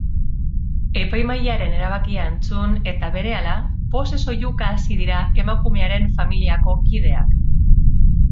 Epaimahaiaren erabakia entzun eta berehala, pozez oihuka hasi dira emakumearen familiako kideak.